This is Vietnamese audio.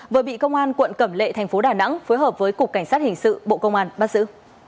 vừa bị công an quận cẩm lệ thành phố đà nẵng phối hợp với cục cảnh sát hình sự bộ công an bắt giữ